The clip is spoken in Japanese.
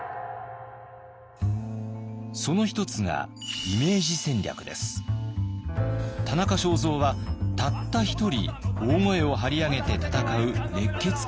その一つが田中正造はたった一人大声を張り上げて闘う熱血漢！？